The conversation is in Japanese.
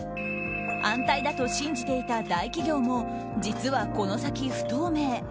安泰だと信じていた大企業も実はこの先不透明。